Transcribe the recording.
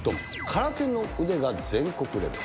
空手の腕が全国レベル。